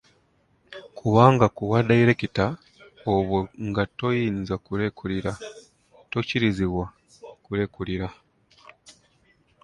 Kubanga ku bwa Dayirekita obwo nga toyinza kulekulira, tokkirizibwa kulekulira.